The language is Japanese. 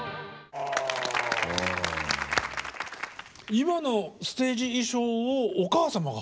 今のステージ衣装をお母様が。